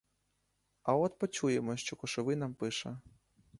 А от почуємо, що кошовий нам пише.